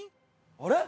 あれ？